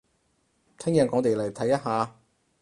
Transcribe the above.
聽日我哋嚟睇一下